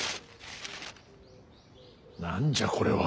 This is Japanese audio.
何じゃこれは。